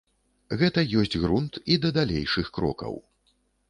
Гэта ёсць грунт і да далейшых крокаў.